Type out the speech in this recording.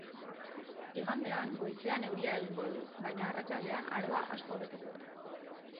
Igandean, goizean euria egingo du baina arratsaldean aroa asko hobetuko da.